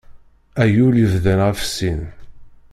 Ay ul yebḍan ɣef sin!